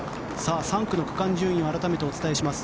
３区の区間順位を改めてお伝えします。